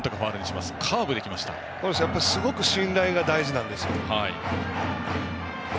すごく信頼が大事なんですよ。